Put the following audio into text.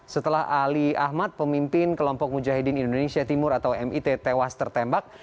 setelah ali ahmad pemimpin kelompok mujahidin indonesia timur atau mit tewas tertembak